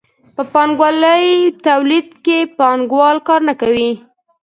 په پانګوالي تولید کې پانګوال کار نه کوي.